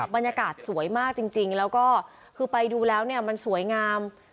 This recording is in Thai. บรรยากาศสวยมากจริงแล้วก็คือไปดูแล้วเนี่ยมันสวยงาม